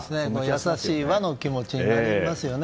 優しい和の気持ちになりますね。